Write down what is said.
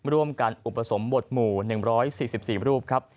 ร่วมกันอุปสมบทหมู่๑๔๔รูปครับ